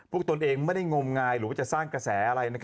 พวกตนเองไม่ได้งมงายหรือสร้างกระแสอะไร